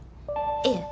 いえ。